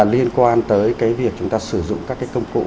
liên quan tới cái việc chúng ta sử dụng các cái công cụ